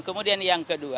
kemudian yang kedua